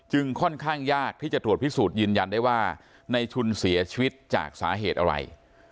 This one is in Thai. ค่อนข้างยากที่จะตรวจพิสูจน์ยืนยันได้ว่าในชุนเสียชีวิตจากสาเหตุอะไร